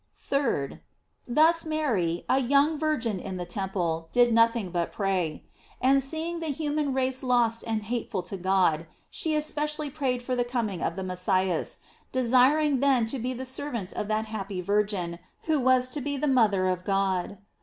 3d. Thus Mary, a young virgin in the temple, did nothing but pray. And seeing the human race lost and hateful to God, she especially prayed for the coming of the Messias, desiring then to be the servant of that happy Virgin who was to be the mother of God.